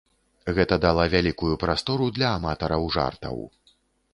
Гэта дала вялікую прастору для аматараў жартаў.